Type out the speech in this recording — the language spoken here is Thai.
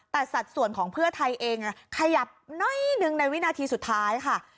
แต่สัดส่วนของเพื่อไทยเองขยับน้อยหนึ่งในวินาทีสุดท้ายค่ะ